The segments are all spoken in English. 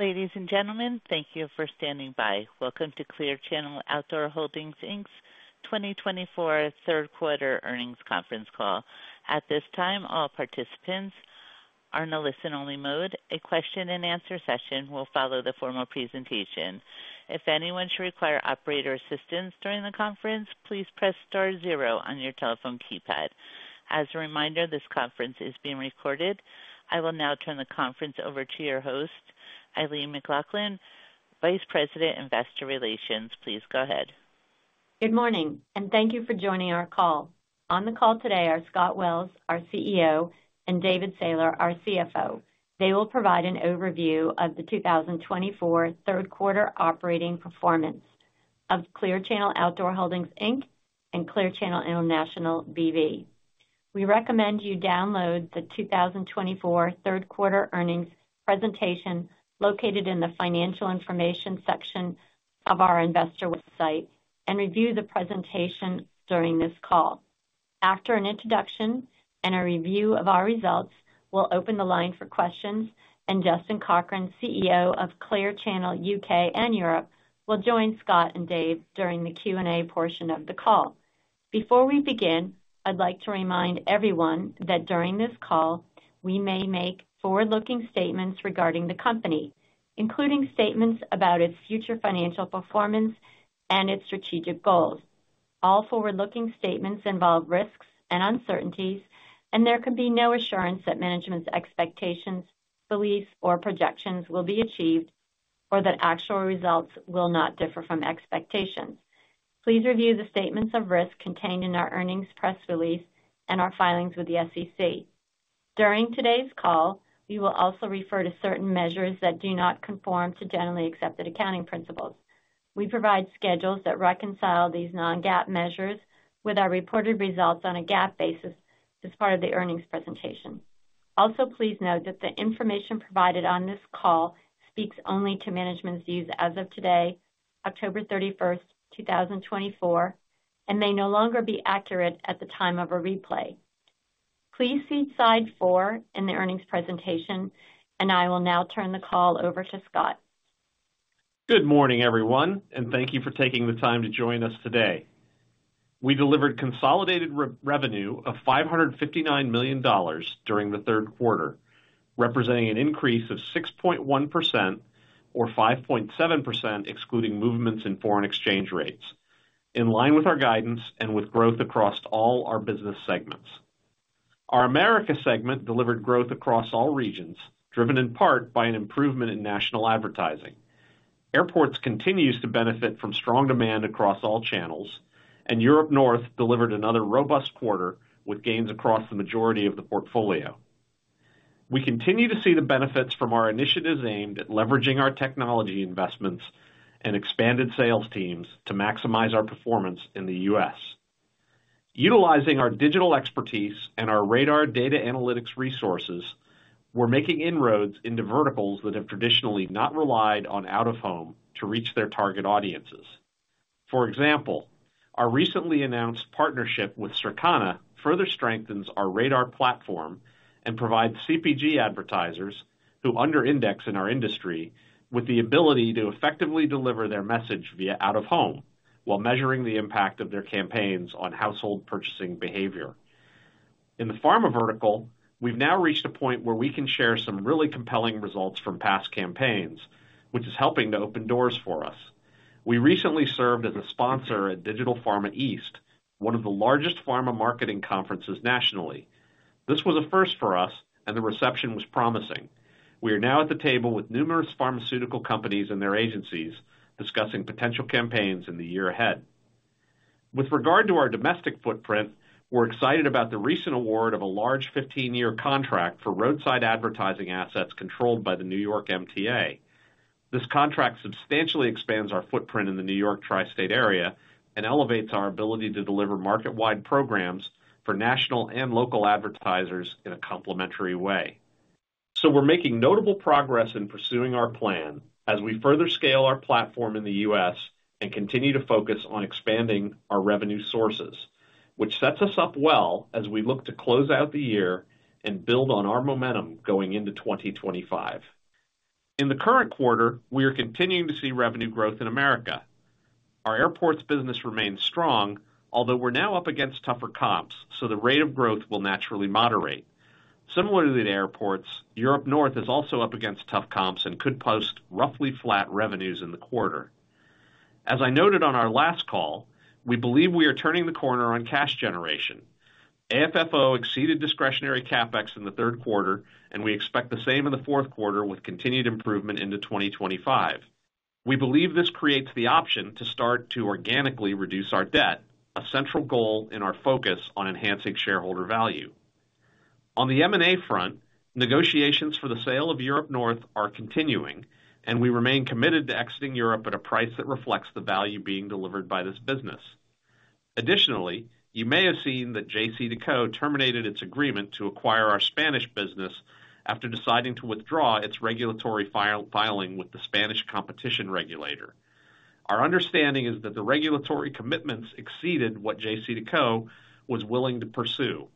Ladies and gentlemen, thank you for standing by. Welcome to Clear Channel Outdoor Holdings Inc.'s 2024 third quarter earnings conference call. At this time, all participants are in a listen-only mode. A question-and-answer session will follow the formal presentation. If anyone should require operator assistance during the conference, please press star zero on your telephone keypad. As a reminder, this conference is being recorded. I will now turn the conference over to your host, Eileen McLaughlin, Vice President, Investor Relations. Please go ahead. Good morning, and thank you for joining our call. On the call today are Scott Wells, our CEO, and David Sailer, our CFO. They will provide an overview of the 2024 third quarter operating performance of Clear Channel Outdoor Holdings Inc. and Clear Channel International B.V. We recommend you download the 2024 third quarter earnings presentation located in the financial information section of our investor website and review the presentation during this call. After an introduction and a review of our results, we'll open the line for questions, and Justin Cochrane, CEO of Clear Channel UK and Europe, will join Scott and Dave during the Q&A portion of the call. Before we begin, I'd like to remind everyone that during this call, we may make forward-looking statements regarding the company, including statements about its future financial performance and its strategic goals. All forward-looking statements involve risks and uncertainties, and there can be no assurance that management's expectations, beliefs, or projections will be achieved or that actual results will not differ from expectations. Please review the statements of risk contained in our earnings press release and our filings with the SEC. During today's call, we will also refer to certain measures that do not conform to generally accepted accounting principles. We provide schedules that reconcile these non-GAAP measures with our reported results on a GAAP basis as part of the earnings presentation. Also, please note that the information provided on this call speaks only to management's views as of today, October 31st, 2024, and may no longer be accurate at the time of a replay. Please see slide four in the earnings presentation, and I will now turn the call over to Scott. Good morning, everyone, and thank you for taking the time to join us today. We delivered consolidated revenue of $559 million during the third quarter, representing an increase of 6.1% or 5.7% excluding movements in foreign exchange rates, in line with our guidance and with growth across all our business segments. Our America segment delivered growth across all regions, driven in part by an improvement in national advertising. Airports continues to benefit from strong demand across all channels, and Europe North delivered another robust quarter with gains across the majority of the portfolio. We continue to see the benefits from our initiatives aimed at leveraging our technology investments and expanded sales teams to maximize our performance in the U.S. Utilizing our digital expertise and our RADAR data analytics resources, we're making inroads into verticals that have traditionally not relied on out-of-home to reach their target audiences. For example, our recently announced partnership with Circana further strengthens our radar platform and provides CPG advertisers who under-index in our industry with the ability to effectively deliver their message via out-of-home while measuring the impact of their campaigns on household purchasing behavior. In the pharma vertical, we've now reached a point where we can share some really compelling results from past campaigns, which is helping to open doors for us. We recently served as a sponsor at Digital Pharma East, one of the largest pharma marketing conferences nationally. This was a first for us, and the reception was promising. We are now at the table with numerous pharmaceutical companies and their agencies discussing potential campaigns in the year ahead. With regard to our domestic footprint, we're excited about the recent award of a large 15-year contract for roadside advertising assets controlled by the New York MTA. This contract substantially expands our footprint in the New York tri-state area and elevates our ability to deliver market-wide programs for national and local advertisers in a complementary way, so we're making notable progress in pursuing our plan as we further scale our platform in the U.S. and continue to focus on expanding our revenue sources, which sets us up well as we look to close out the year and build on our momentum going into 2025. In the current quarter, we are continuing to see revenue growth in America. Our airports business remains strong, although we're now up against tougher comps, so the rate of growth will naturally moderate. Similarly to airports, Europe North is also up against tough comps and could post roughly flat revenues in the quarter. As I noted on our last call, we believe we are turning the corner on cash generation. AFFO exceeded discretionary CapEx in the third quarter, and we expect the same in the fourth quarter with continued improvement into 2025. We believe this creates the option to start to organically reduce our debt, a central goal in our focus on enhancing shareholder value. On the M&A front, negotiations for the sale of Europe North are continuing, and we remain committed to exiting Europe at a price that reflects the value being delivered by this business. Additionally, you may have seen that JCDecaux terminated its agreement to acquire our Spanish business after deciding to withdraw its regulatory filing with the Spanish competition regulator. Our understanding is that the regulatory commitments exceeded what JCDecaux was willing to pursue.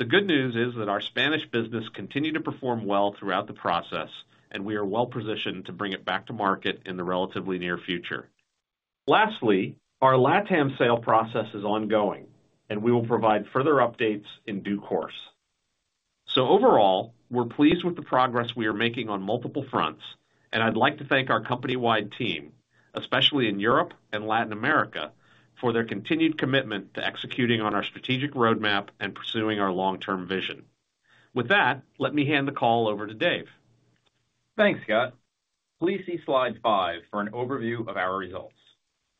The good news is that our Spanish business continued to perform well throughout the process, and we are well positioned to bring it back to market in the relatively near future. Lastly, our LATAM sale process is ongoing, and we will provide further updates in due course. So overall, we're pleased with the progress we are making on multiple fronts, and I'd like to thank our company-wide team, especially in Europe and Latin America, for their continued commitment to executing on our strategic roadmap and pursuing our long-term vision. With that, let me hand the call over to Dave. Thanks, Scott. Please see slide five for an overview of our results.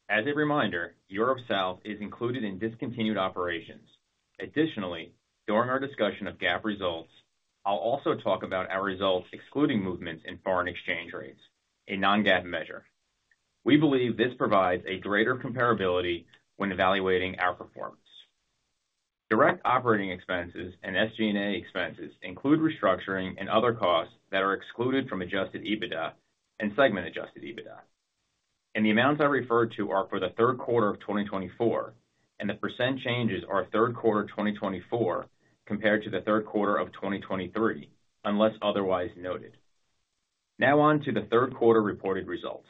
As a reminder, Europe South is included in discontinued operations. Additionally, during our discussion of GAAP results, I'll also talk about our results excluding movements in foreign exchange rates, a non-GAAP measure. We believe this provides a greater comparability when evaluating our performance. Direct operating expenses and SG&A expenses include restructuring and other costs that are excluded from Adjusted EBITDA and segment Adjusted EBITDA. The amounts I referred to are for the third quarter of 2024, and the percent changes are third quarter 2024 compared to the third quarter of 2023, unless otherwise noted. Now on to the third quarter reported results.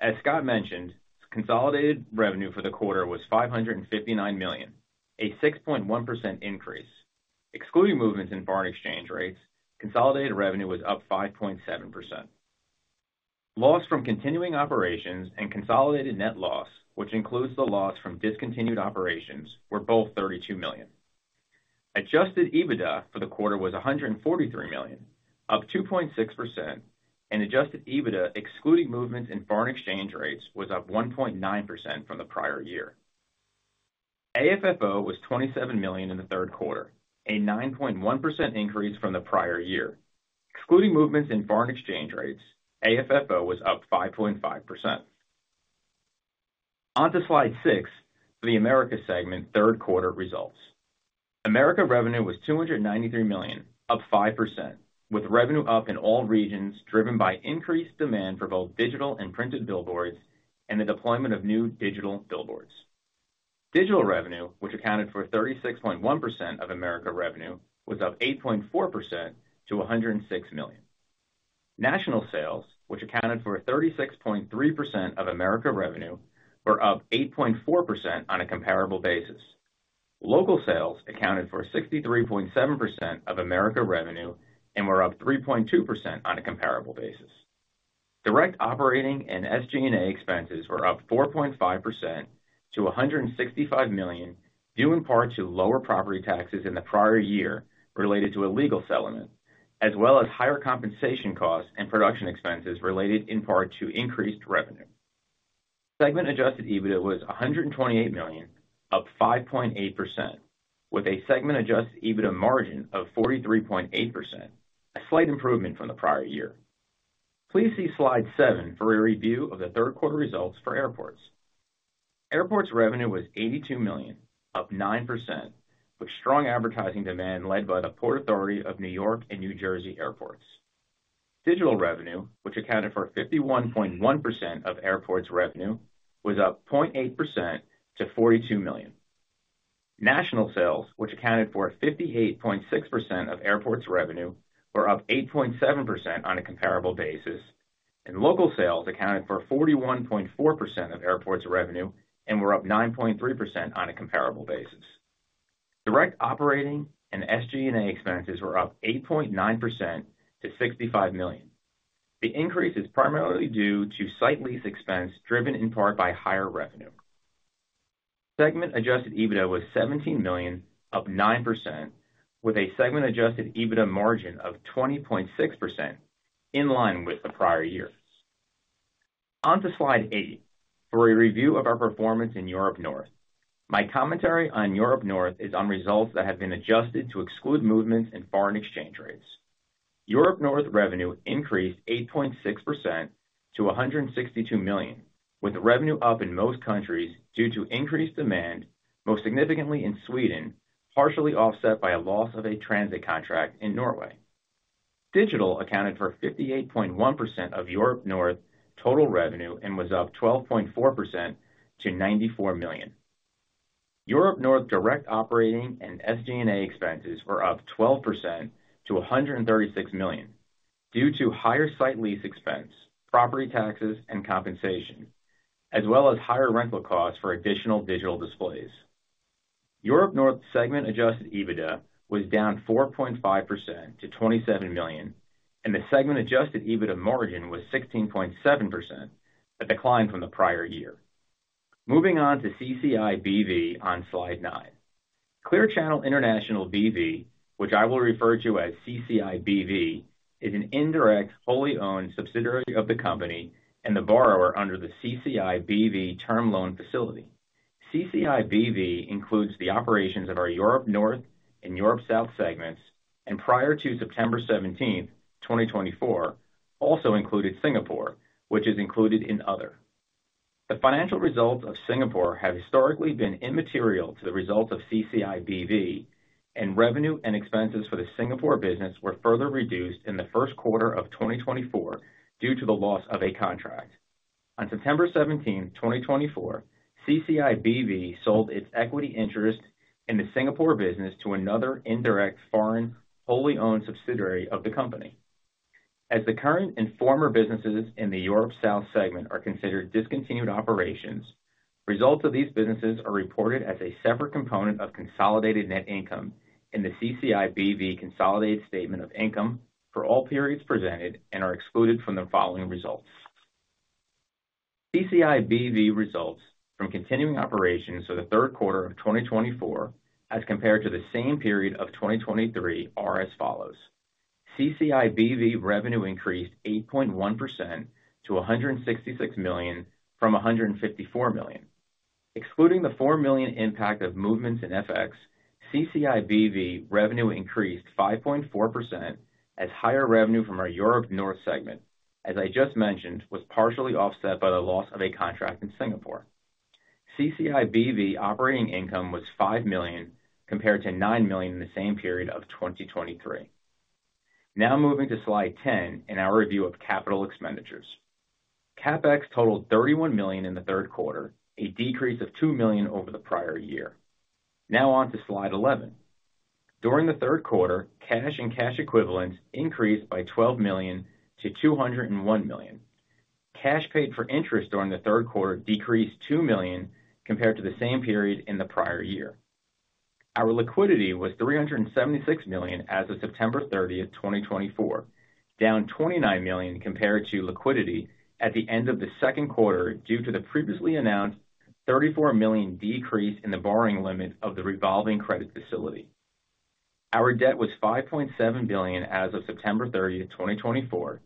As Scott mentioned, consolidated revenue for the quarter was $559 million, a 6.1% increase. Excluding movements in foreign exchange rates, consolidated revenue was up 5.7%. Loss from continuing operations and consolidated net loss, which includes the loss from discontinued operations, were both $32 million. Adjusted EBITDA for the quarter was $143 million, up 2.6%, and adjusted EBITDA excluding movements in foreign exchange rates was up 1.9% from the prior year. AFFO was $27 million in the third quarter, a 9.1% increase from the prior year. Excluding movements in foreign exchange rates, AFFO was up 5.5%. On to slide six for the America segment third quarter results. America revenue was $293 million, up 5%, with revenue up in all regions driven by increased demand for both digital and printed billboards and the deployment of new digital billboards. Digital revenue, which accounted for 36.1% of America revenue, was up 8.4% to $106 million. National sales, which accounted for 36.3% of America revenue, were up 8.4% on a comparable basis. Local sales accounted for 63.7% of America revenue and were up 3.2% on a comparable basis. Direct operating and SG&A expenses were up 4.5% to $165 million, due in part to lower property taxes in the prior year related to legal settlement, as well as higher compensation costs and production expenses related in part to increased revenue. Segment-adjusted EBITDA was $128 million, up 5.8%, with a segment-adjusted EBITDA margin of 43.8%, a slight improvement from the prior year. Please see slide seven for a review of the third quarter results for airports. Airports revenue was $82 million, up 9%, with strong advertising demand led by the Port Authority of New York and New Jersey airports. Digital revenue, which accounted for 51.1% of airports revenue, was up 0.8% to $42 million. National sales, which accounted for 58.6% of airports revenue, were up 8.7% on a comparable basis, and local sales accounted for 41.4% of airports revenue and were up 9.3% on a comparable basis. Direct operating and SG&A expenses were up 8.9% to $65 million. The increase is primarily due to site lease expense driven in part by higher revenue. Segment-adjusted EBITDA was $17 million, up 9%, with a segment-adjusted EBITDA margin of 20.6% in line with the prior year. On to slide eight for a review of our performance in Europe North. My commentary on Europe North is on results that have been adjusted to exclude movements in foreign exchange rates. Europe North revenue increased 8.6% to $162 million, with revenue up in most countries due to increased demand, most significantly in Sweden, partially offset by a loss of a transit contract in Norway. Digital accounted for 58.1% of Europe North total revenue and was up 12.4% to $94 million. Europe North direct operating and SG&A expenses were up 12% to $136 million due to higher site lease expense, property taxes, and compensation, as well as higher rental costs for additional digital displays. Europe North segment-adjusted EBITDA was down 4.5% to $27 million, and the segment-adjusted EBITDA margin was 16.7%, a decline from the prior year. Moving on to CCI B.V. on slide nine. Clear Channel International B.V., which I will refer to as CCI B.V., is an indirect wholly owned subsidiary of the company and the borrower under the CCI B.V. term loan facility. CCI B.V. includes the operations of our Europe North and Europe South segments, and prior to September 17th, 2024, also included Singapore, which is included in other. The financial results of Singapore have historically been immaterial to the results of CCI BV, and revenue and expenses for the Singapore business were further reduced in the first quarter of 2024 due to the loss of a contract. On September 17th, 2024, CCI BV sold its equity interest in the Singapore business to another indirect foreign wholly owned subsidiary of the company. As the current and former businesses in the Europe South segment are considered discontinued operations, results of these businesses are reported as a separate component of consolidated net income in the CCI BV consolidated statement of income for all periods presented and are excluded from the following results. CCI BV results from continuing operations for the third quarter of 2024 as compared to the same period of 2023 are as follows. CCI BV revenue increased 8.1% to $166 million from $154 million. Excluding the $4 million impact of movements in FX, CCI BV revenue increased 5.4% as higher revenue from our Europe North segment, as I just mentioned, was partially offset by the loss of a contract in Singapore. CCI BV operating income was $5 million compared to $9 million in the same period of 2023. Now moving to slide 10 in our review of capital expenditures. CapEx totaled $31 million in the third quarter, a decrease of $2 million over the prior year. Now on to slide 11. During the third quarter, cash and cash equivalents increased by $12 million to $201 million. Cash paid for interest during the third quarter decreased $2 million compared to the same period in the prior year. Our liquidity was $376 million as of September 30th, 2024, down $29 million compared to liquidity at the end of the second quarter due to the previously announced $34 million decrease in the borrowing limit of the revolving credit facility. Our debt was $5.7 billion as of September 30th, 2024,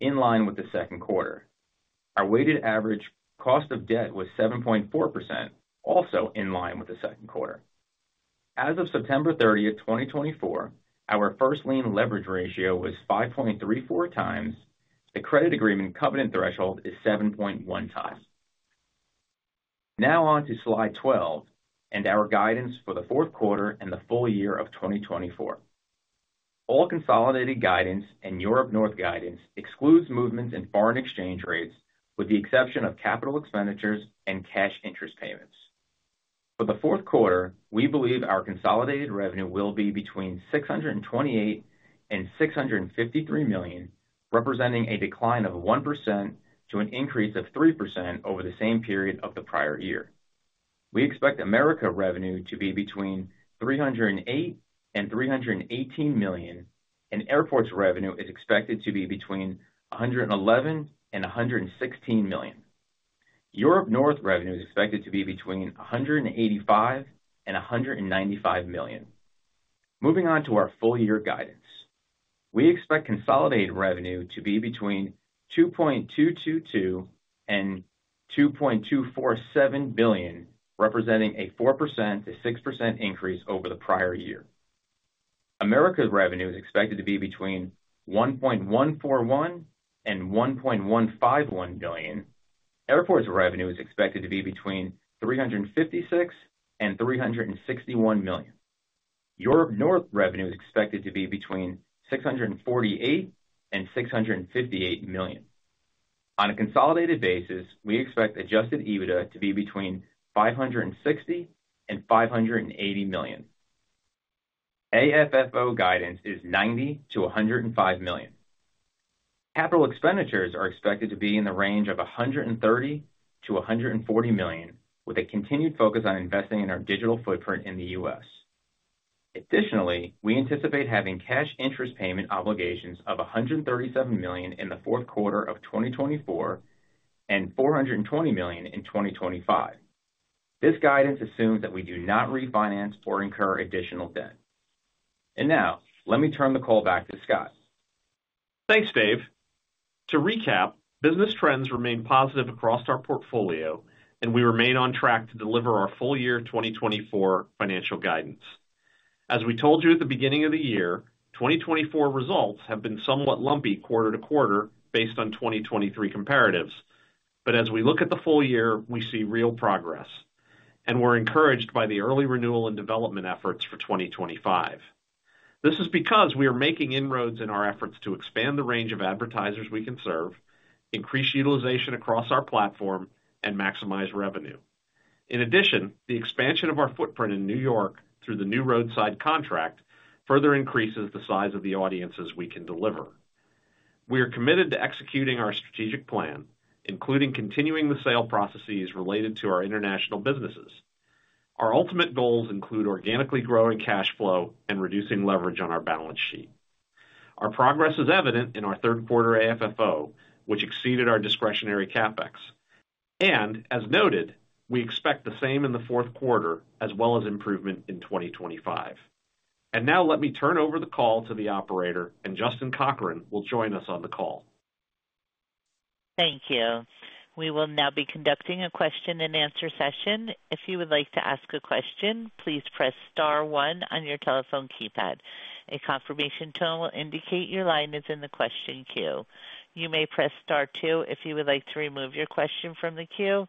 in line with the second quarter. Our weighted average cost of debt was 7.4%, also in line with the second quarter. As of September 30th, 2024, our first lien leverage ratio was 5.34 times. The credit agreement covenant threshold is 7.1 times. Now on to slide 12 and our guidance for the fourth quarter and the full year of 2024. All consolidated guidance and Europe North guidance excludes movements in foreign exchange rates with the exception of capital expenditures and cash interest payments. For the fourth quarter, we believe our consolidated revenue will be between $628 and $653 million, representing a decline of 1% to an increase of 3% over the same period of the prior year. We expect America revenue to be between $308 and $318 million, and airports revenue is expected to be between $111 and $116 million. Europe North revenue is expected to be between $185 and $195 million. Moving on to our full year guidance. We expect consolidated revenue to be between $2.222 and $2.247 billion, representing a 4% to 6% increase over the prior year. America's revenue is expected to be between $1.141 and $1.151 billion. Airports revenue is expected to be between $356 and $361 million. Europe North revenue is expected to be between $648 and $658 million. On a consolidated basis, we expect Adjusted EBITDA to be between $560 and $580 million. AFFO guidance is $90-$105 million. Capital expenditures are expected to be in the range of $130-$140 million, with a continued focus on investing in our digital footprint in the U.S. Additionally, we anticipate having cash interest payment obligations of $137 million in the fourth quarter of 2024 and $420 million in 2025. This guidance assumes that we do not refinance or incur additional debt, and now let me turn the call back to Scott. Thanks, Dave. To recap, business trends remain positive across our portfolio, and we remain on track to deliver our full year 2024 financial guidance. As we told you at the beginning of the year, 2024 results have been somewhat lumpy quarter to quarter based on 2023 comparatives. As we look at the full year, we see real progress, and we're encouraged by the early renewal and development efforts for 2025. This is because we are making inroads in our efforts to expand the range of advertisers we can serve, increase utilization across our platform, and maximize revenue. In addition, the expansion of our footprint in New York through the new roadside contract further increases the size of the audiences we can deliver. We are committed to executing our strategic plan, including continuing the sale processes related to our international businesses. Our ultimate goals include organically growing cash flow and reducing leverage on our balance sheet. Our progress is evident in our third quarter AFFO, which exceeded our discretionary CapEx. As noted, we expect the same in the fourth quarter, as well as improvement in 2025. Now let me turn over the call to the operator, and Justin Cochrane will join us on the call. Thank you. We will now be conducting a question and answer session. If you would like to ask a question, please press star one on your telephone keypad. A confirmation tone will indicate your line is in the question queue. You may press star two if you would like to remove your question from the queue.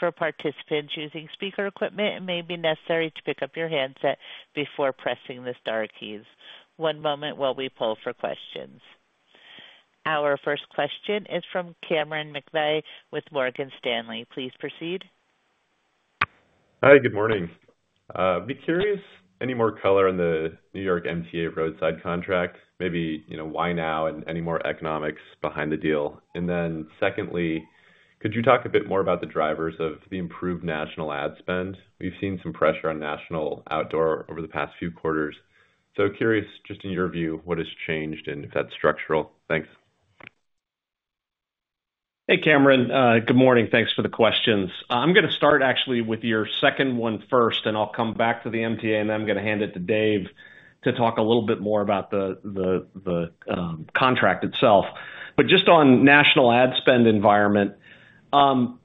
For participants using speaker equipment, it may be necessary to pick up your handset before pressing the star keys. One moment while we pull for questions. Our first question is from Cameron McVeigh with Morgan Stanley. Please proceed. Hi, good morning. Any more color on the New York MTA roadside contract? Maybe, why now and any more economics behind the deal? Then secondly, could you talk a bit more about the drivers of the improved national ad spend? We've seen some pressure on national outdoor over the past few quarters. So curious, just in your view, what has changed and if that's structural? Thanks. Hey, Cameron, good morning. Thanks for the questions. I'm gonna start actually with your second one first, and I'll come back to the MTA, and then I'm gonna hand it to Dave to talk a little bit more about the contract itself. Just on national ad spend environment, so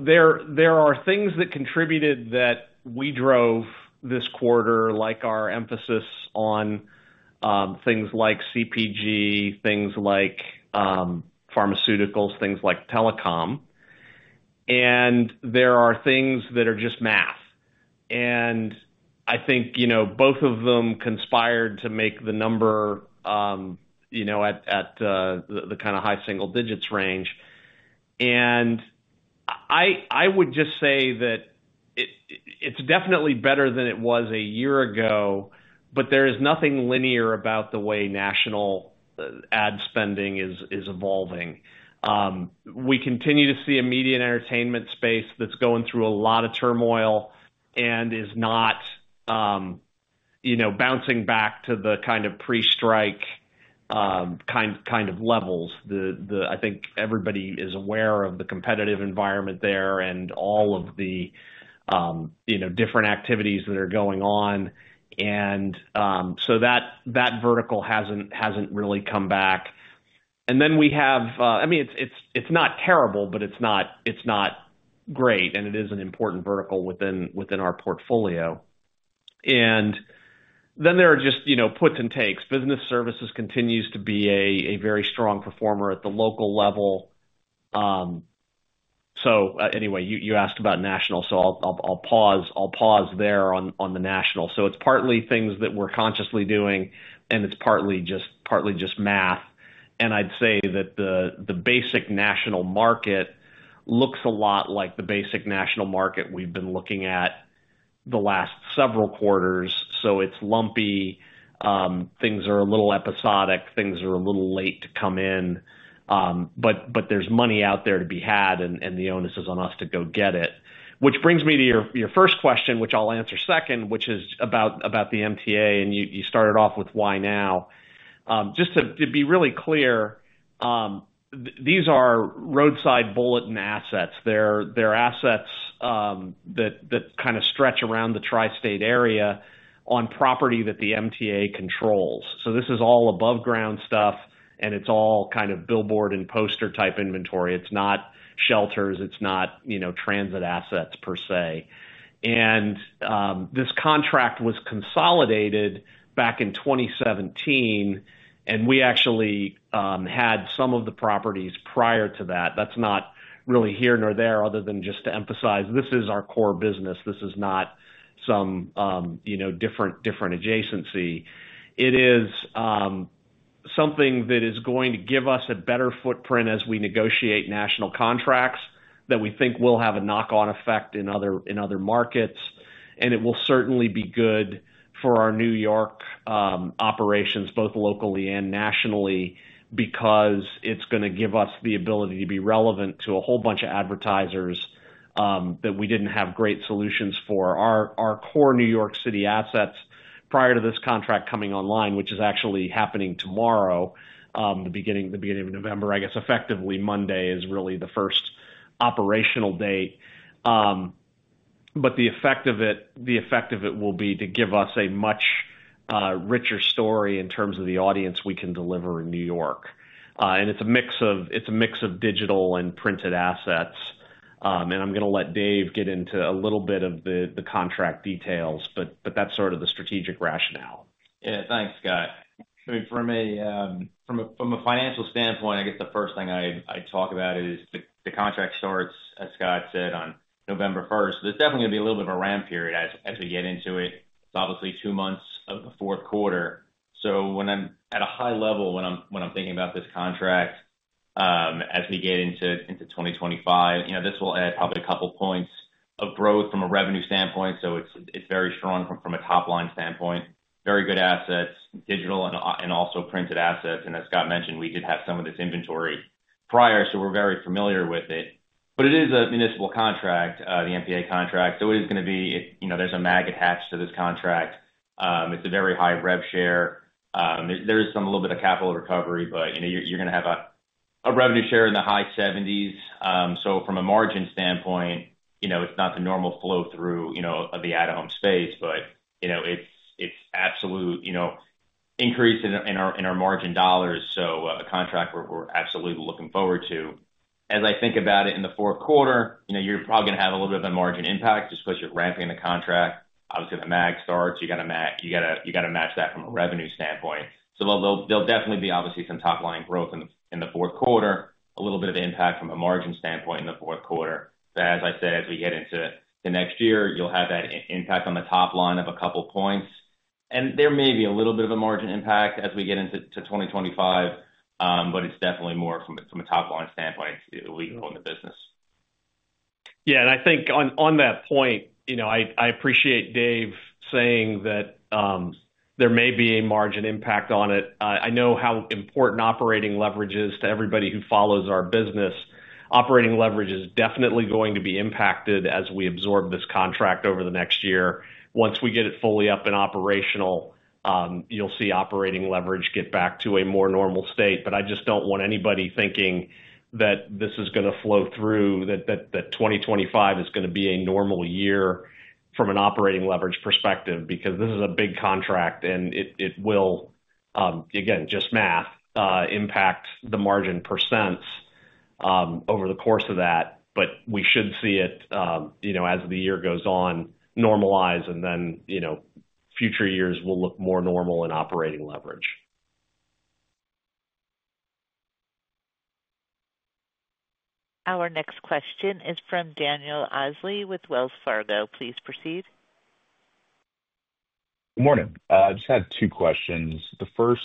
there are things that contributed that we drove this quarter, like our emphasis on things like CPG, things like pharmaceuticals, things like telecom. There are things that are just math. I think both of them conspired to make the number at the high single digits range. I would just say that it, it's definitely better than it was a year ago, but there is nothing linear about the way national ad spending is evolving. We continue to see a media and entertainment space that's going through a lot of turmoil and is not bouncing back to the pre-strike levels. The, I think everybody is aware of the competitive environment there and all of the, different activities that are going on. That vertical hasn't really come back. Then we have, I mean, it's not terrible, but it's not great, and it is an important vertical within our portfolio. Then there are just, puts and takes. Business services continues to be a very strong performer at the local level. Anyway, you asked about national, so I'll pause there on the national. It's partly things that we're consciously doing, and it's partly just math. I'd say that the basic national market looks a lot like the basic national market we've been looking at the last several quarters. It's lumpy, things are a little episodic, things are a little late to come in. But there's money out there to be had, and the onus is on us to go get it. Which brings me to your first question, which I'll answer second, which is about the MTA, and you started off with why now. Just to be really clear, these are roadside bulletin assets. They're assets that stretch around the tri-state area on property that the MTA controls. This is all above ground stuff, and it's all billboard and poster type inventory. It's not shelters, it's not transit assets per se. This contract was consolidated back in 2017, and we actually had some of the properties prior to that. That's not really here nor there, other than just to emphasize this is our core business. This is not some different adjacency. It is something that is going to give us a better footprint as we negotiate national contracts that we think will have a knock-on effect in other, in other markets. It will certainly be good for our New York operations, both locally and nationally, because it's gonna give us the ability to be relevant to a whole bunch of advertisers that we didn't have great solutions for. Our core New York City assets prior to this contract coming online, which is actually happening tomorrow, the beginning of November. I guess effectively Monday is really the first operational date. The effect of it will be to give us a much richer story in terms of the audience we can deliver in New York. It's a mix of digital and printed assets. I'm gonna let Dave get into a little bit of the contract details, but that's the strategic rationale. Yeah, thanks, Scott. I mean, for me, from a financial standpoint, I guess the first thing I talk about is the contract starts, as Scott said, on November 1st. There's definitely gonna be a little bit of a ramp period as we get into it. It's obviously two months of the fourth quarter. Then I'm at a high level, when I'm thinking about this contract, as we get into 2025, this will add probably a couple points of growth from a revenue standpoint. It's very strong from a top line standpoint. Very good assets, digital and also printed assets. As Scott mentioned, we did have some of this inventory prior, so we're very familiar with it. It is a municipal contract, the MTA contract. It is gonna be, there's a MAG attached to this contract. It's a very high rev share. There is some little bit of capital recovery, but,, you're gonna have a revenue share in the high seventies. From a margin standpoint, it's not the normal flow through, of the at-home space, but it's absolute, increase in our margin dollars. A contract we're absolutely looking forward to. As I think about it in the fourth quarter you're probably gonna have a little bit of a margin impact just 'cause you're ramping the contract. Obviously, the MAG starts, you gotta match that from a revenue standpoint. There'll definitely be obviously some top line growth in the fourth quarter, a little bit of impact from a margin standpoint in the fourth quarter. As I said, as we get into the next year, you'll have that impact on the top line of a couple points. There may be a little bit of a margin impact as we get into 2025, but it's definitely more from a top line standpoint, it'll be growing the business. Yeah. I think on that point I appreciate Dave saying that, there may be a margin impact on it. I know how important operating leverage is to everybody who follows our business. Operating leverage is definitely going to be impacted as we absorb this contract over the next year. Once we get it fully up and operational, you'll see operating leverage get back to a more normal state. I just don't want anybody thinking that this is gonna flow through, that 2025 is gonna be a normal year from an operating leverage perspective, because this is a big contract and it will, again, just math, impact the margin percents, over the course of that. We should see it, as the year goes on, normalize, and then future years will look more normal in operating leverage. Our next question is from Daniel Osley with Wells Fargo. Please proceed. Good morning. I just had two questions. The first,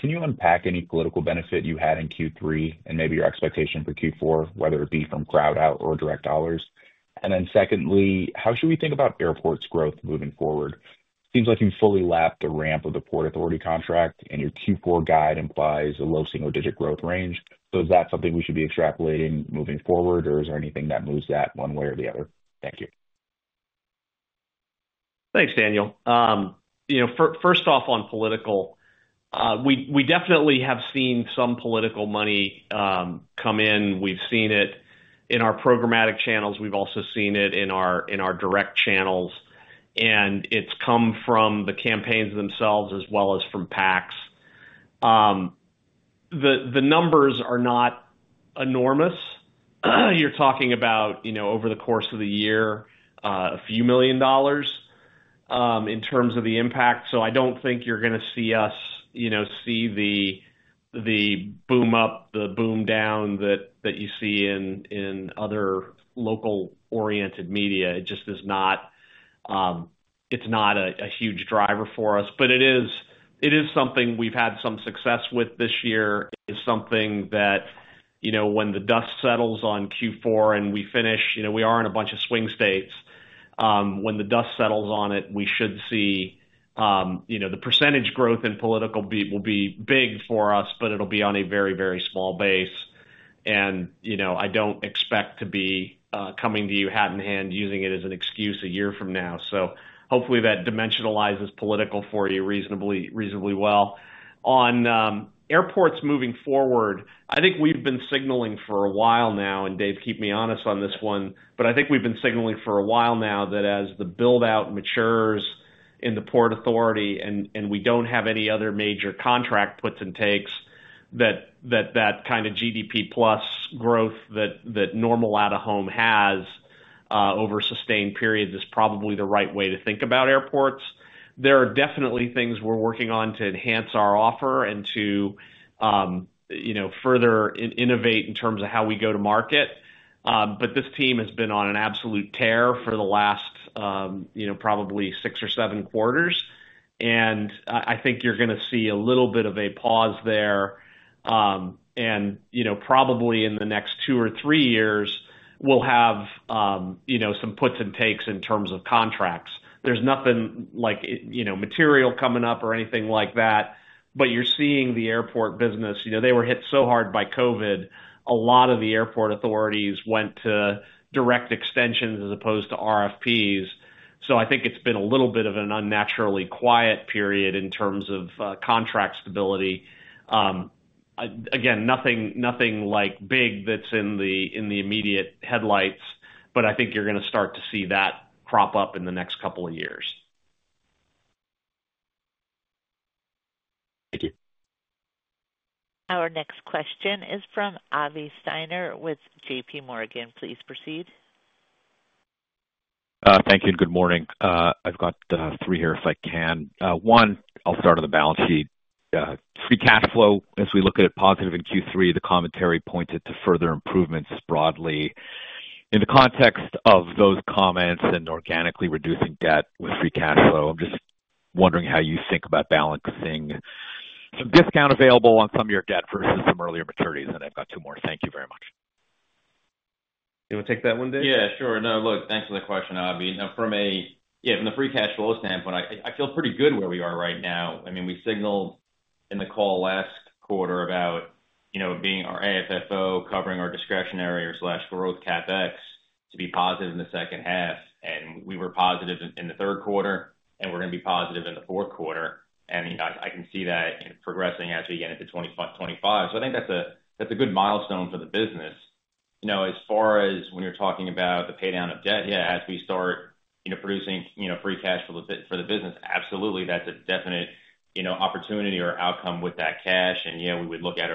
can you unpack any political benefit you had in Q3 and maybe your expectation for Q4, whether it be from crowd out or direct dollars? Then secondly, how should we think about airports' growth moving forward? Seems like you've fully lapped the ramp of the port authority contract, and your Q4 guide implies a low single digit growth range. Is that something we should be extrapolating moving forward, or is there anything that moves that one way or the other? Thank you. Thanks, Daniel. First off on political, we definitely have seen some political money come in. We've seen it in our programmatic channels. We've also seen it in our direct channels. It's come from the campaigns themselves as well as from PACs. The numbers are not enormous. You're talking about over the course of the year, a few million dollars, in terms of the impact. I don't think you're gonna see us, see the boom up, the boom down that you see in other local oriented media. It just is not, it's not a huge driver for us, but it is something we've had some success with this year. It's something that when the dust settles on Q4 and we finish we are in a bunch of swing states, when the dust settles on it, we should see, the percentage growth in political revenue will be big for us, but it'll be on a very, very small base, and I don't expect to be, coming to you hat in hand using it as an excuse a year from now, so hopefully that dimensionalizes political for you reasonably, rea onably well. On airports moving forward, I think we've been signaling for a while now, and Dave, keep me honest on this one, but I think we've been signaling for a while now that as the buildout matures in the Port Authority and we don't have any other major contract puts and takes, that GDP plus growth that normal out of home has over sustained periods is probably the right way to think about airports. There are definitely things we're working on to enhance our offer and to, further innovate in terms of how we go to market. This team has been on an absolute tear for the last, probably six or seven quarters. I think you're gonna see a little bit of a pause there. Probably in the next two or three years, we'll have, some puts and takes in terms of contracts. There's nothing like, material coming up or anything like that, but you're seeing the airport business, they were hit so hard by COVID. A lot of the airport authorities went to direct extensions as opposed to RFPs. I think it's been a little bit of an unnaturally quiet period in terms of contract stability. Again, nothing, nothing like big that's in the, in the immediate headlights, but I think you're gonna start to see that crop up in the next couple of years. Thank you. Our next question is from Avi Steiner with J.P. Morgan. Please proceed. Thank you and good morning. I've got three here if I can. One, I'll start on the balance sheet. Free cash flow, as we look at it positive in Q3, the commentary pointed to further improvements broadly. In the context of those comments and organically reducing debt with free cash flow, I'm just wondering how you think about balancing some discount available on some of your debt versus some earlier maturities. I've got two more. Thank you very much. You wanna take that one, Dave? Thanks for the question, Abby. Now, from the free cash flow standpoint, I, I feel pretty good where we are right now. I mean, we signaled in the call last quarter about, being our AFFO, covering our discretionary or slash growth CapEx to be positive in the second half. We were positive in, in the third quarter, and we're gonna be positive in the fourth quarter. I can see that, progressing as we get into 2025. So I think that's a, that's a good milestone for the business. As far as when you're talking about the paydown of debt, yeah, as we start, producing, free cash for the business, absolutely, that's a definite opportunity or outcome with that cash. We would look at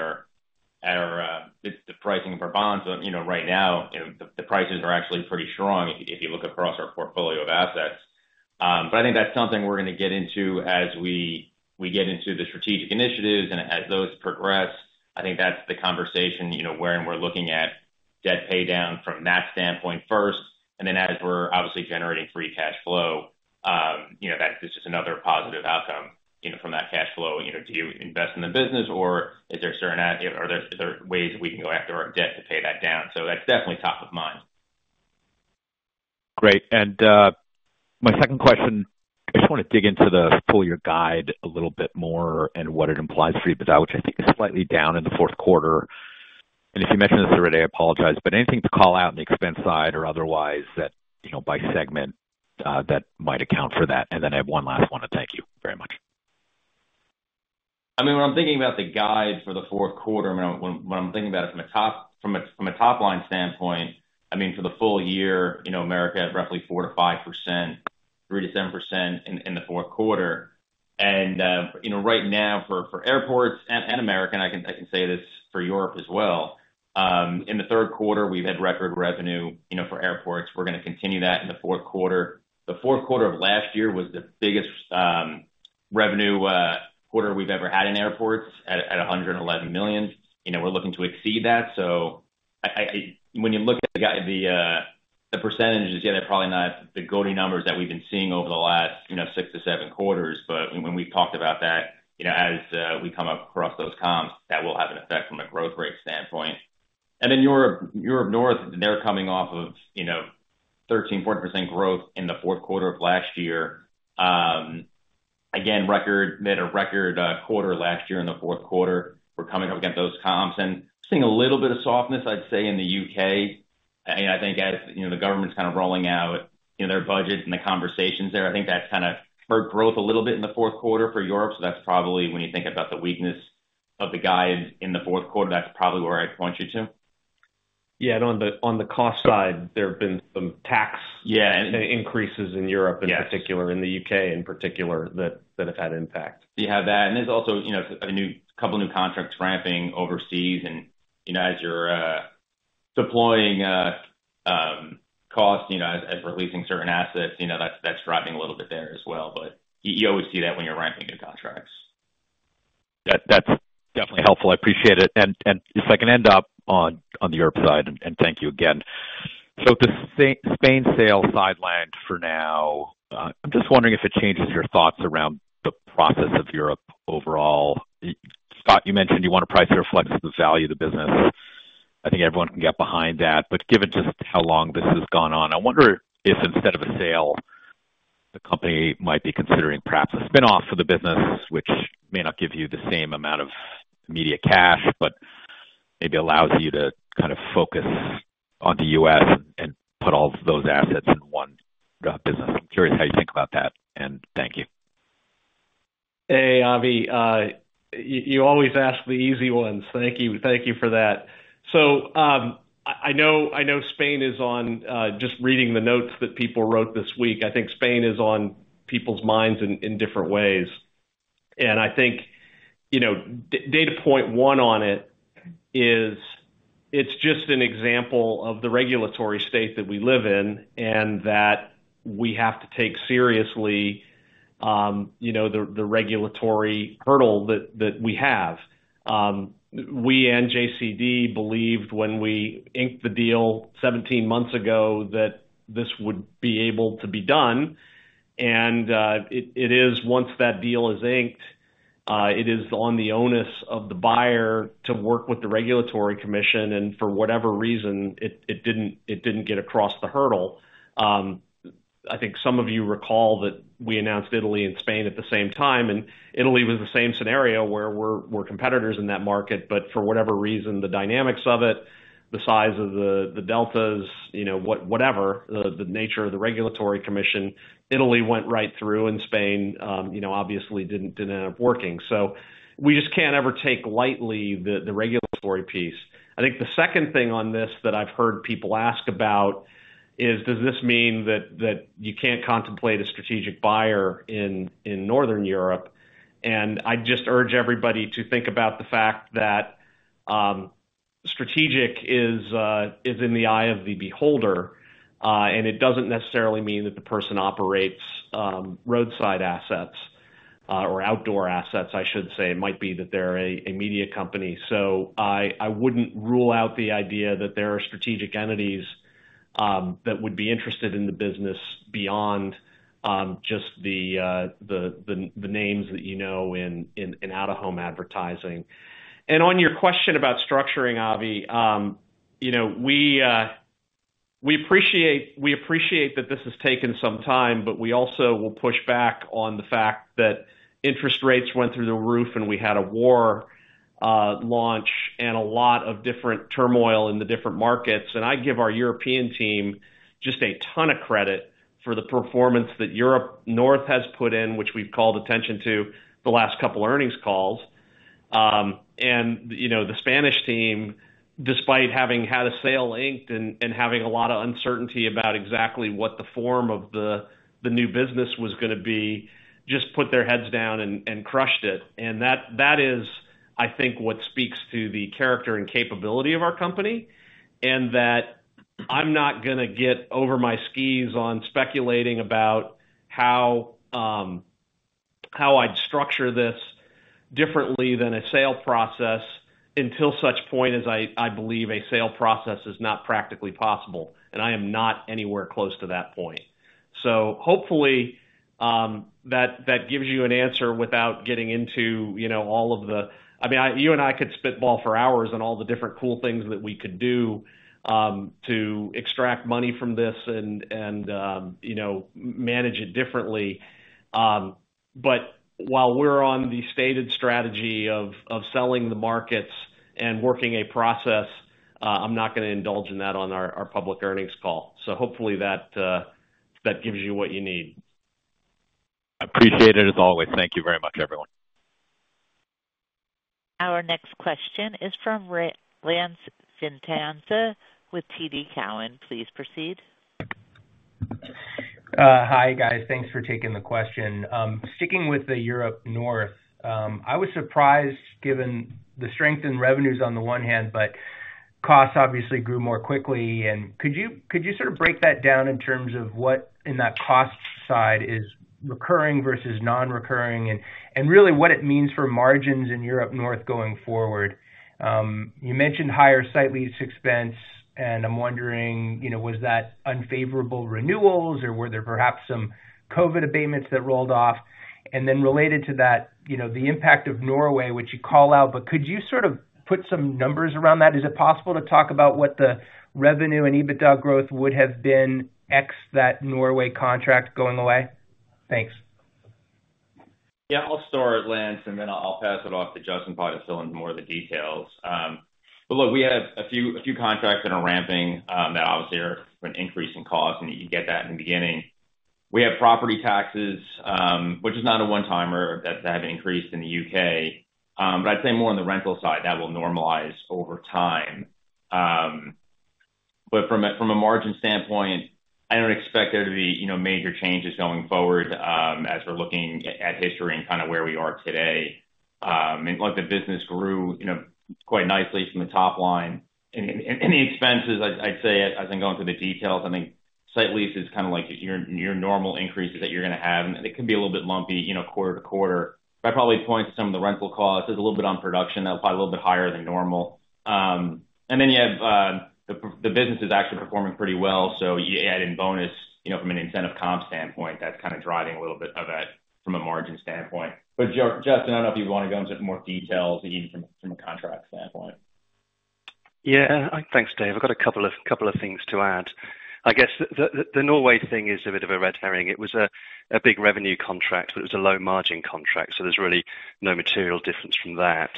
the pricing of our bonds. Right now, the prices are actually pretty strong if you, if you look across our portfolio of assets. I think that's something we're gonna get into as we get into the strategic initiatives and as those progress. I think that's the conversation, where we're looking at debt paydown from that standpoint first. Then as we're obviously generating free cash flow, that's just another positive outcome, from that cash flow, do you invest in the business or is there a certain, are there ways that we can go after our debt to pay that down? That's definitely top of mind. Great. My second question, I just wanna dig into the full year guide a little bit more and what it implies for you, but that, which I think is slightly down in the fourth quarter. If you mentioned this already, I apologize, but anything to call out on the expense side or otherwise that, by segment, that might account for that. Then I have one last one to thank you very much. I mean, when I'm thinking about the guide for the fourth quarter, when I'm thinking about it from a top line standpoint, I mean, for the full year, America had roughly 4-5%, 3-7% in the fourth quarter. Right now for airports and America, I can say this for Europe as well. In the third quarter, we've had record revenue, for airports. We're gonna continue that in the fourth quarter. The fourth quarter of last year was the biggest revenue quarter we've ever had in airports at $111 million. We're looking to exceed that. When you look at the guide, the percentage is, yeah, they're probably not the lofty numbers that we've been seeing over the last, six to seven quarters. When we've talked about that as we come across those comps, that will have an effect from a growth rate standpoint. Then Europe North, they're coming off of 13%-14% growth in the fourth quarter of last year. Again, it was a record quarter last year in the fourth quarter. We're coming up against those comps and seeing a little bit of softness, I'd say, in the UK. I think as, the government's rolling out, their budget and the conversations there, I think that's slowing growth a little bit in the fourth quarter for Europe. That's probably when you think about the weakness of the guide in the fourth quarter, that's probably where I'd point you to. Yeah. On the cost side, there have been some tax. Yeah, and increases in Europe in particular. Yes. In the UK in particular, that have had impact. Do you have that? There's also a couple new contracts ramping overseas. As you're deploying costs, as releasing certain assets, that's driving a little bit there as well. You always see that when you're ramping new contracts. That's definitely helpful. I appreciate it. If I can end up on the Europe side, and thank you again. The Spain sale sidelined for now. I'm just wondering if it changes your thoughts around the process of Europe overall. Scott, you mentioned you want a price that reflects the value of the business. I think everyone can get behind that. Given just how long this has gone on, I wonder if instead of a sale, the company might be considering perhaps a spinoff for the business, which may not give you the same amount of immediate cash, but maybe allows you to focus on the U.S. and put all those assets in one business. I'm curious how you think about that. Thank you. Hey, Avi. You always ask the easy ones. Thank you. Thank you for that. I know Spain is on, just reading the notes that people wrote this week. I think Spain is on people's minds in different ways. I think, data point one on it is it's just an example of the regulatory state that we live in and that we have to take seriously the regulatory hurdle that we have. We and JCD believed when we inked the deal 17 months ago that this would be able to be done. It is once that deal is inked, it is on the onus of the buyer to work with the regulatory commission. For whatever reason, it didn't get across the hurdle. I think some of you recall that we announced Italy and Spain at the same time. Italy was the same scenario where we're competitors in that market. For whatever reason, the dynamics of it, the size of the deltas, whatever the nature of the regulatory commission, Italy went right through and Spain, obviously didn't end up working. We just can't ever take lightly the regulatory piece. I think the second thing on this that I've heard people ask about is, does this mean that you can't contemplate a strategic buyer in Northern Europe? I just urge everybody to think about the fact that strategic is in the eye of the beholder. It doesn't necessarily mean that the person operates roadside assets, or outdoor assets, I should say. It might be that they're a media company. I wouldn't rule out the idea that there are strategic entities that would be interested in the business beyond just the names that in out of home advertising. On your question about structuring, Avi, We appreciate that this has taken some time, but we also will push back on the fact that interest rates went through the roof and we had a war launched and a lot of different turmoil in the different markets. I give our European team just a ton of credit for the performance that Europe North has put in, which we've called attention to the last couple earnings calls. The Spanish team, despite having had a sale inked and having a lot of uncertainty about exactly what the form of the new business was gonna be, just put their heads down and crushed it. That is, I think, what speaks to the character and capability of our company and that I'm not gonna get over my skis on speculating about how I'd structure this differently than a sale process until such point as I believe a sale process is not practically possible. I am not anywhere close to that point. Hopefully, that gives you an answer without getting into, all of the, I mean, you and I could spitball for hours on all the different cool things that we could do to extract money from this and manage it differently. but while we're on the stated strategy of selling the markets and working a process, I'm not gonna indulge in that on our public earnings call. Hopefully that gives you what you need. I appreciate it as always. Thank you very much, everyone. Our next question is from Lance Vitanza with TD Cowen. Please proceed. Hi, guys. Thanks for taking the question. Sticking with the Europe North, I was surprised given the strength in revenues on the one hand, but costs obviously grew more quickly. Could you, could you break that down in terms of what in that cost side is recurring versus non-recurring and, and really what it means for margins in Europe North going forward? You mentioned higher site lease expense, and I'm wondering, was that unfavorable renewals or were there perhaps some COVID abatements that rolled off? Then related to that the impact of Norway, which you call out, but could you put some numbers around that? Is it possible to talk about what the revenue and EBITDA growth would have been ex that Norway contract going away? Thanks. I'll start at Lance and then I'll pass it off to Justin Cochrane to fill in more of the details. Look, we have a few contracts that are ramping, that obviously are an increase in cost and you get that in the beginning. We have property taxes, which is not a one-timer that have increased in the U.K. But I'd say more on the rental side that will normalize over time. From a margin standpoint, I don't expect there to be major changes going forward, as we're looking at history and where we are today. Look, the business grew, quite nicely from the top line. The expenses, I'd say, as I'm going through the details, I mean, site lease is like your normal increases that you're gonna have. It can be a little bit lumpy, quarter to quarter. I probably point to some of the rental costs. It's a little bit on production. That'll probably be a little bit higher than normal. Then you have the business is actually performing pretty well. You add in bonus from an incentive comp standpoint, that's driving a little bit of that from a margin standpoint. Justin, I don't know if you wanna go into more details even from a contract standpoint. Yeah. Thanks, Dave. I've got a couple of things to add. I guess the Norway thing is a bit of a red herring. It was a big revenue contract, but it was a low-margin contract. There's really no material difference from that.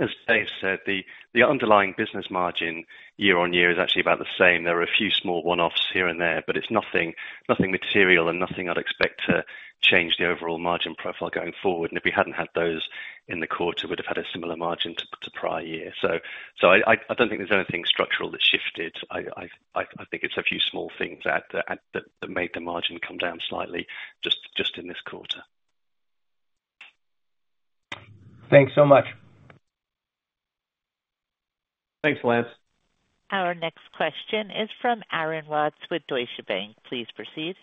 As Dave said, the underlying business margin year on year is actually about the same. There are a few small one-offs here and there, but it's nothing material and nothing I'd expect to change the overall margin profile going forward. If we hadn't had those in the quarter, we'd have had a similar margin to prior year. I don't think there's anything structural that shifted. I think it's a few small things that made the margin come down slightly just in this quarter. Thanks so much. Thanks, Lance. Our next question is from Aaron Watts with Deutsche Bank. Please proceed.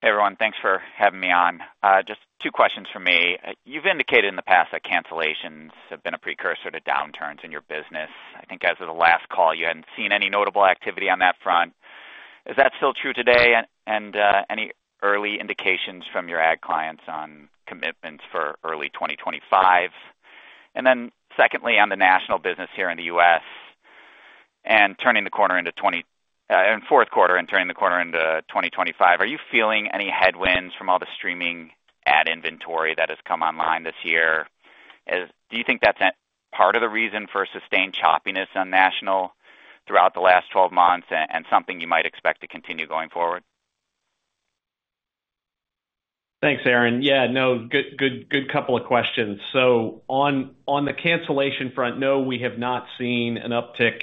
Hey everyone, thanks for having me on. Just two questions for me. You've indicated in the past that cancellations have been a precursor to downturns in your business. I think as of the last call, you hadn't seen any notable activity on that front. Is that still true today? Any early indications from your ad clients on commitments for early 2025? Then secondly, on the national business here in the U.S. and turning the corner into 2024 fourth quarter and turning the corner into 2025, are you feeling any headwinds from all the streaming ad inventory that has come online this year? Do you think that's a part of the reason for sustained choppiness on national throughout the last 12 months and, something you might expect to continue going forward? Thanks, Aaron. Yeah. No, good couple of questions. On the cancellation front, no, we have not seen an uptick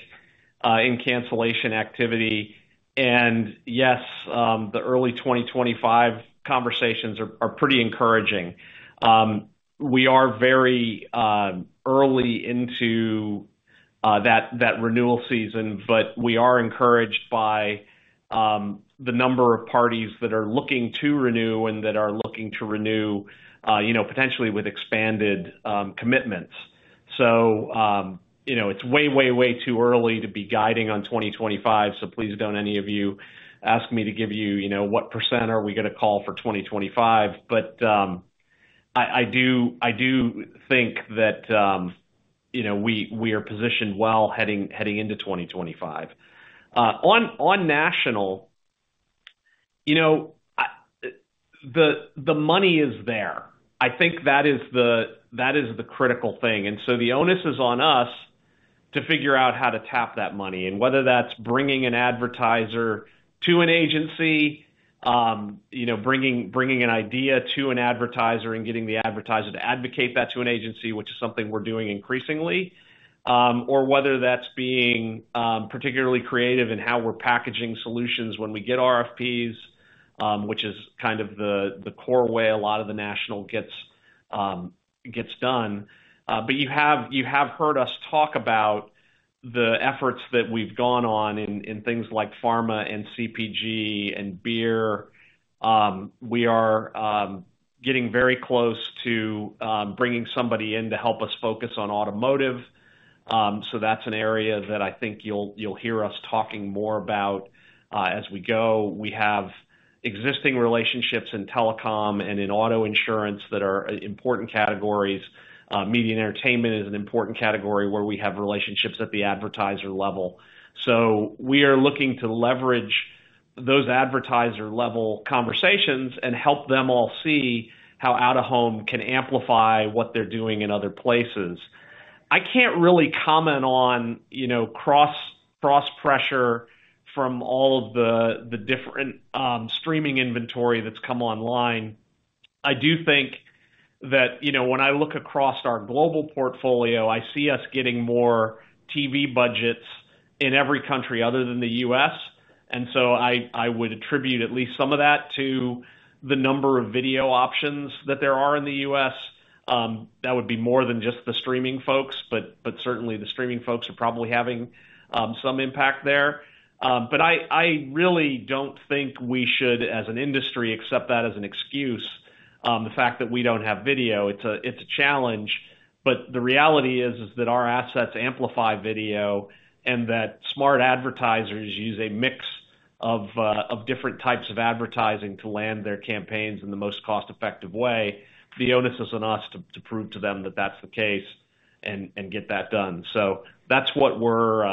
in cancellation activity, and yes, the early 2025 conversations are pretty encouraging. We are very early into that renewal season, but we are encouraged by the number of parties that are looking to renew and that are looking to renew, potentially with expanded commitments, so it's way, way, way too early to be guiding on 2025, so please don't any of you ask me to give you, what percent are we gonna call for 2025, but I do think that, we are positioned well heading into 2025. On national the money is there. I think that is the critical thing. The onus is on us to figure out how to tap that money and whether that's bringing an advertiser to an agency, bringing an idea to an advertiser and getting the advertiser to advocate that to an agency, which is something we're doing increasingly, or whether that's being particularly creative in how we're packaging solutions when we get RFPs, which is the core way a lot of the national gets done. You have heard us talk about the efforts that we've gone on in things like pharma and CPG and beer. We are getting very close to bringing somebody in to help us focus on automotive. That's an area that I think you'll hear us talking more about as we go. We have existing relationships in telecom and in auto insurance that are important categories. Media and entertainment is an important category where we have relationships at the advertiser level. So we are looking to leverage those advertiser level conversations and help them all see how out of home can amplify what they're doing in other places. I can't really comment on, cross pressure from all of the, the different streaming inventory that's come online. I do think that, when I look across our global portfolio, I see us getting more TV budgets in every country other than the U.S. I would attribute at least some of that to the number of video options that there are in the U.S. That would be more than just the streaming folks, but certainly the streaming folks are probably having some impact there. I really don't think we should, as an industry, accept that as an excuse, the fact that we don't have video. It's a challenge. The reality is that our assets amplify video and that smart advertisers use a mix of different types of advertising to land their campaigns in the most cost-effective way. The onus is on us to prove to them that that's the case and get that done. So that's what we're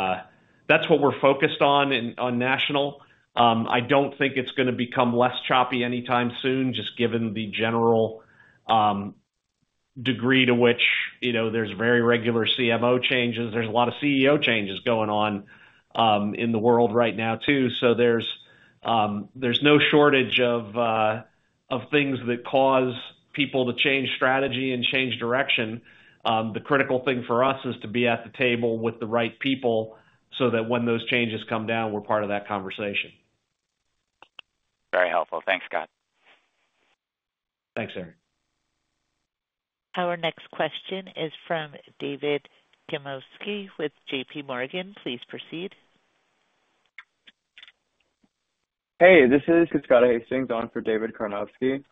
focused on in national. I don't think it's gonna become less choppy anytime soon, just given the general degree to which, there's very regular CMO changes. There's a lot of CEO changes going on in the world right now too. There's no shortage of things that cause people to change strategy and change direction. The critical thing for us is to be at the table with the right people so that when those changes come down, we're part of that conversation. Very helpful. Thanks, Scott. Thanks, Aaron. Our next question is from David Karnovsky with J.P. Morgan. Please proceed. Hey, this is Jessica Hastings on for David Karnovsky.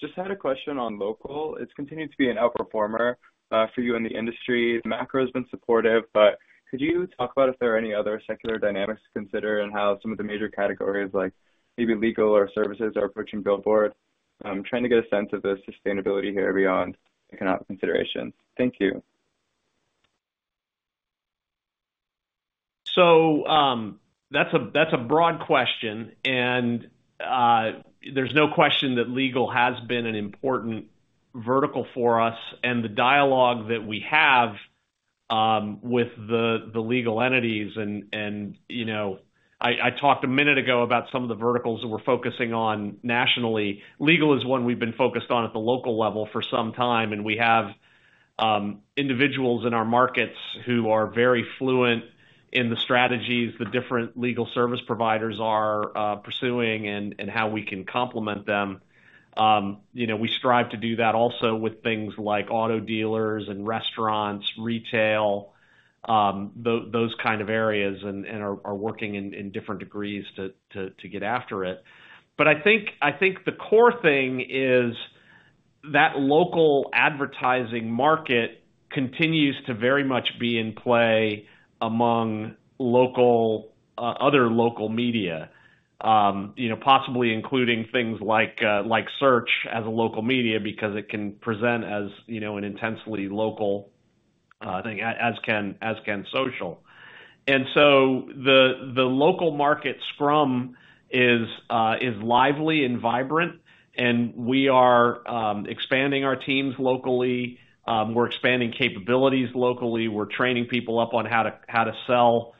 Just had a question on local. It's continued to be an outperformer for you in the industry. The macro has been supportive, but could you talk about if there are any other secular dynamics to consider and how some of the major categories like maybe legal or services are approaching billboard? Trying to get a sense of the sustainability here beyond economic consideration. Thank you. That's a broad question. There's no question that legal has been an important vertical for us. The dialogue that we have with the legal entities and I talked a minute ago about some of the verticals that we're focusing on nationally. Legal is one we've been focused on at the local level for some time. We have individuals in our markets who are very fluent in the strategies the different legal service providers are pursuing and how we can complement them. You we strive to do that also with things like auto dealers and restaurants, retail, those areas and are working in different degrees to get after it. I think the core thing is that local advertising market continues to very much be in play among local, other local media, possibly including things like search as a local media because it can present as, an intensely local thing as can social. The local market scrum is lively and vibrant. We are expanding our teams locally. We're expanding capabilities locally. We're training people up on how to sell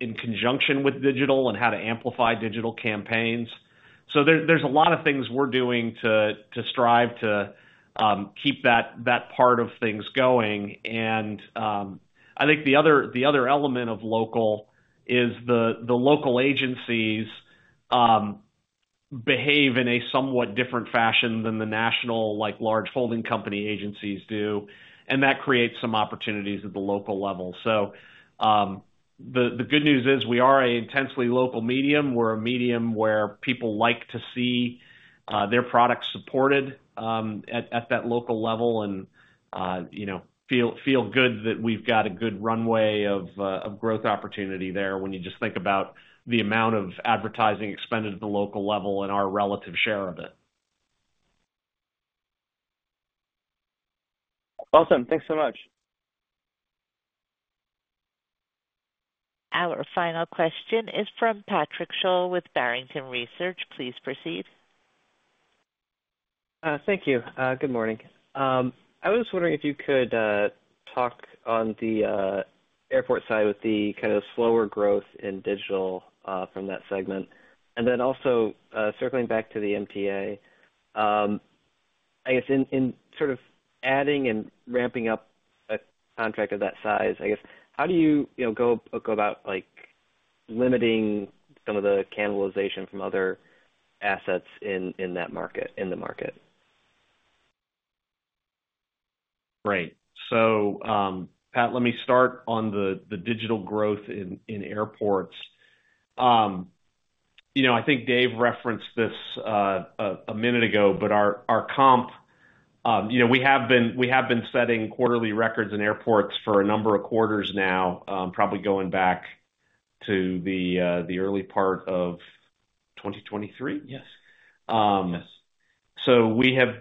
in conjunction with digital and how to amplify digital campaigns. There's a lot of things we're doing to strive to keep that part of things going. I think the other element of local is the local agencies behave in a somewhat different fashion than the national, like large holding company agencies do. That creates some opportunities at the local level. The good news is we are a intensely local medium. We're a medium where people like to see, their product supported, at that local level and feel good that we've got a good runway of growth opportunity there when you just think about the amount of advertising expended at the local level and our relative share of it. Awesome. Thanks so much. Our final question is from Patrick Sholl with Barrington Research. Please proceed. Thank you. Good morning. I was wondering if you could talk on the airport side with the slower growth in digital from that segment. Then also, circling back to the MTA, I guess in adding and ramping up a contract of that size how do you go about like limiting some of the cannibalization from other assets in that market? Right, so, Pat, let me start on the digital growth in airports. I think Dave referenced this a minute ago, but our comp, we have been setting quarterly records in airports for a number of quarters now, probably going back to the early part of 2023. We have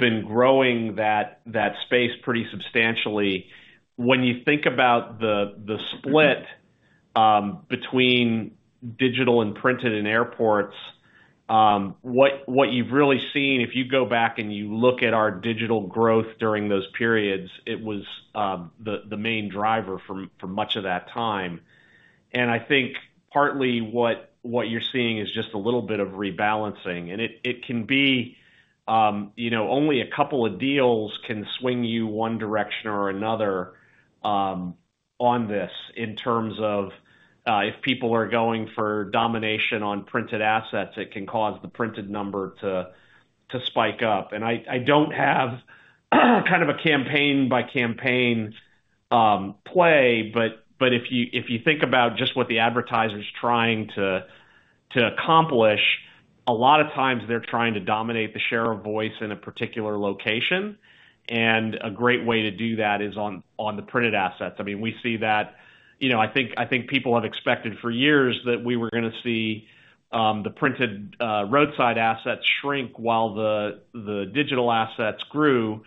been growing that space pretty substantially. When you think about the split between digital and printed in airports, what you've really seen, if you go back and you look at our digital growth during those periods, it was the main driver for much of that time, and I think partly what you're seeing is just a little bit of rebalancing. It can be only a couple of deals can swing you one direction or another on this in terms of if people are going for domination on printed assets. It can cause the printed number to spike up. I don't have a campaign by campaign play, but if you think about just what the advertiser's trying to accomplish, a lot of times they're trying to dominate the share of voice in a particular location. A great way to do that is on the printed assets. I mean, we see that. I think people have expected for years that we were gonna see the printed roadside assets shrink while the digital assets grew.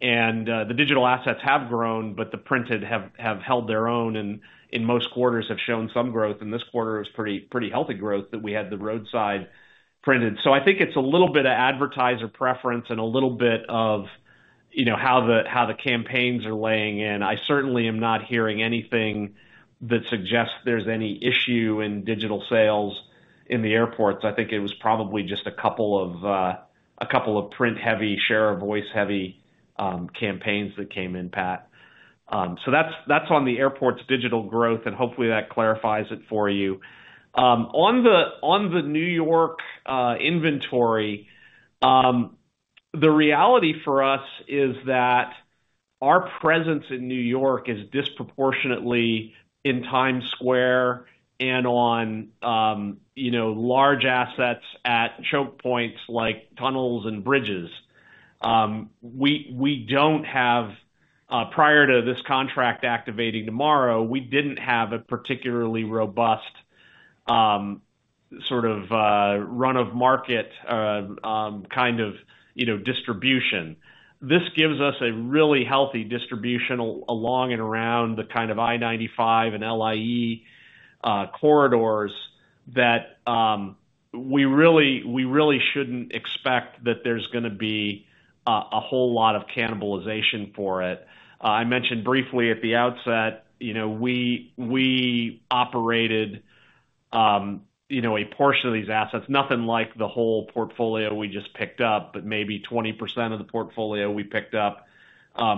The digital assets have grown, but the printed have held their own and in most quarters have shown some growth. This quarter was pretty healthy growth that we had the roadside printed. So I think it's a little bit of advertiser preference and a little bit of how the campaigns are laying in. I certainly am not hearing anything that suggests there's any issue in digital sales in the airports. I think it was probably just a couple of print-heavy, share-of-voice-heavy, campaigns that came in, Pat. That's on the airport's digital growth, and hopefully that clarifies it for you. On the New York inventory, the reality for us is that our presence in New York is disproportionately in Times Square and on, large assets at choke points like tunnels and bridges. We don't have, prior to this contract activating tomorrow, we didn't have a particularly robust run-of-market distribution. This gives us a really healthy distribution along and around the I-95 and LIE corridors that we really shouldn't expect that there's gonna be a whole lot of cannibalization for it. I mentioned briefly at the outset, we operated a portion of these assets, nothing like the whole portfolio we just picked up, but maybe 20% of the portfolio we picked up,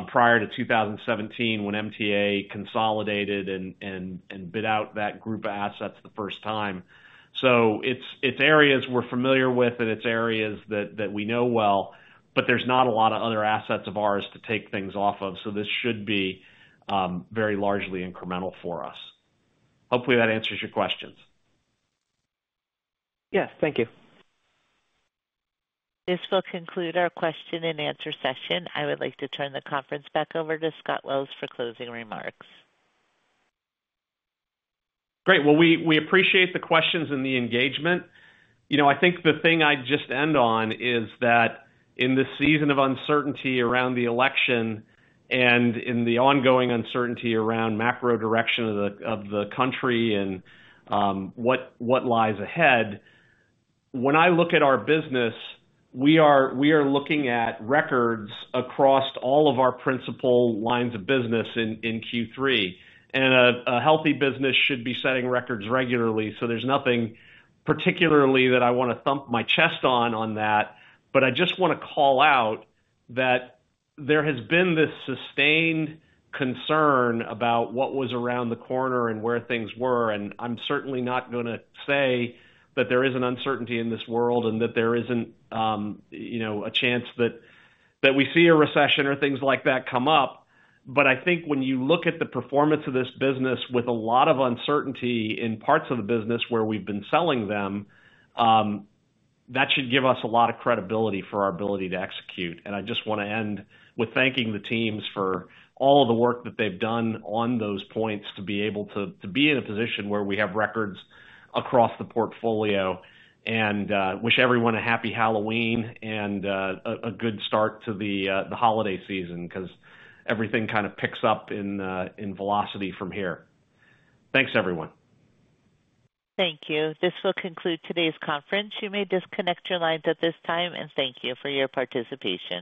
prior to 2017 when MTA consolidated and bid out that group of assets the first time. It's areas we're familiar with, and it's areas that we know well, but there's not a lot of other assets of ours to take things off of. This should be, very largely incremental for us. Hopefully that answers your questions. Yes. Thank you. This will conclude our question and answer session. I would like to turn the conference back over to Scott Wells for closing remarks. Great. Well, we appreciate the questions and the engagement. I think the thing I'd just end on is that in this season of uncertainty around the election and in the ongoing uncertainty around macro direction of the country and what lies ahead, when I look at our business, we are looking at records across all of our principal lines of business in Q3. A healthy business should be setting records regularly, so there's nothing particularly that I wanna thump my chest on that, but I just wanna call out that there has been this sustained concern about what was around the corner and where things were. I'm certainly not gonna say that there is an uncertainty in this world and that there isn't, a chance that we see a recession or things like that come up. I think when you look at the performance of this business with a lot of uncertainty in parts of the business where we've been selling them, that should give us a lot of credibility for our ability to execute. I just wanna end with thanking the teams for all of the work that they've done on those points to be able to be in a position where we have records across the portfolio. Wish everyone a happy Halloween and a good start to the holiday season 'cause everything picks up in velocity from here. Thanks, everyone. Thank you. This will conclude today's conference. You may disconnect your lines at this time, and thank you for your participation.